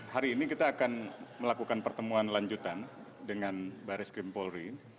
hari ini kita akan melakukan pertemuan lanjutan dengan baris krim polri